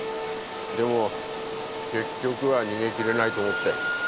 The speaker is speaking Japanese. でも結局は逃げ切れないと思って。